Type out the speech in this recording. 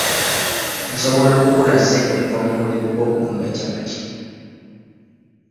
Nsobola okukola ssente okuva mu mulimu gw'okutunda capati .